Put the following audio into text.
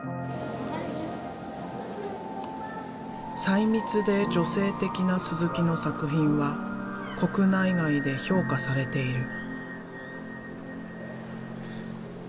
細密で女性的なの作品は国内外で評価されている。